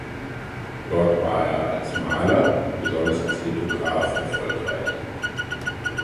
Dort war er als Maler und besonders als Lithograf erfolgreich.